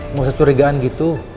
mau securigaan gitu